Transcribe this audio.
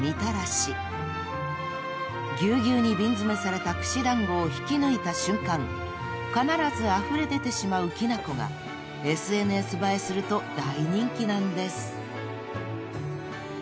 ［ぎゅうぎゅうに瓶詰めされた串団子を引き抜いた瞬間必ずあふれ出てしまうきなこがＳＮＳ映えすると大人気なんです］